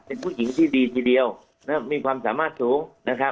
เป็นผู้หญิงที่ดีทีเดียวนะครับมีความสามารถสูงนะครับ